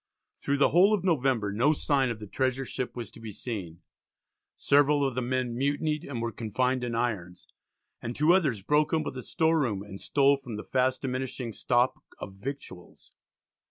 Through the whole of November no sign of the treasure ship was to be seen; several of the men mutinied and were confined in irons, and two others broke open the store room and stole from the fast diminishing stock of victuals.